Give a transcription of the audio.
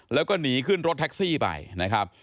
แล้วก็หนีขึ้นรถแท็กซี่ไปนะครับ